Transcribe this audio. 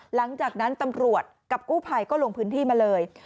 หลังจากนั้นตำรวจกับกู้ภัยก็ลงพื้นที่มาเลย